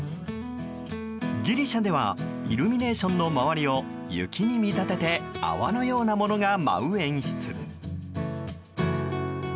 ギリシャではイルミネーションの周りを雪に見立てて泡のようなものが舞う演出。